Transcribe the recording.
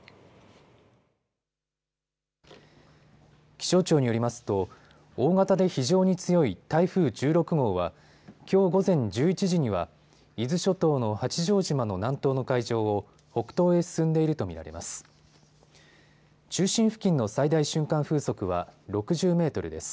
気象庁によりますと大型で非常に強い台風１６号はきょう午前１１時には伊豆諸島の八丈島の南東の海上を北東へ進んでいると見られます。